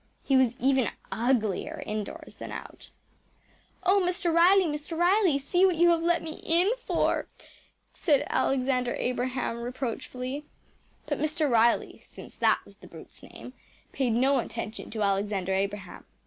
He was even uglier indoors than out. “Oh, Mr. Riley, Mr. Riley, see what you have let me in for,‚ÄĚ said Alexander Abraham reproachfully. But Mr. Riley since that was the brute’s name paid no attention to Alexander Abraham.